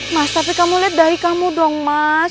mas tapi kamu lihat dari kamu dong mas